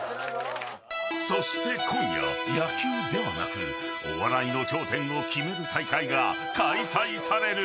そして今夜、野球ではなくお笑いの頂点を決める大会が開催される。